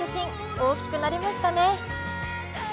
大きくなりましたね。